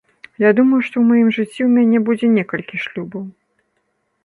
Я думаю, што ў маім жыцці ў мяне будзе некалькі шлюбаў.